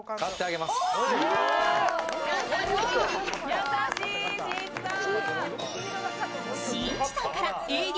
優しい、しんいちさん。